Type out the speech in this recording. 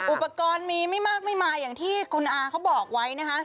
อุปกรณ์มีไม่มากไม่มาอย่างที่คุณอาเขาบอกไว้นะคะ